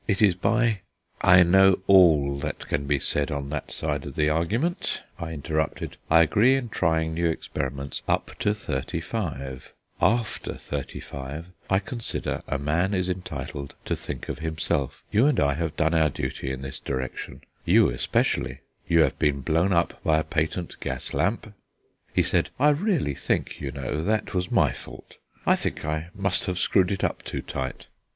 It is by " "I know all that can be said on that side of the argument," I interrupted. "I agree in trying new experiments up to thirty five; after thirty five I consider a man is entitled to think of himself. You and I have done our duty in this direction, you especially. You have been blown up by a patent gas lamp " He said: "I really think, you know, that was my fault; I think I must have screwed it up too tight."